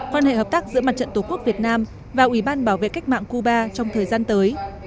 quan hệ hợp tác giữa mặt trận tổ quốc việt nam và ủy ban bảo vệ cách mạng cuba trong thời gian tới